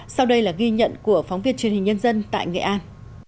sau đây là ghi nhận của phóng viên truyền hình nhân dân tại nghệ an